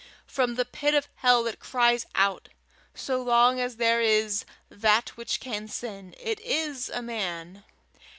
From the pit of hell it cries out. So long as there is that which can sin, it is a man.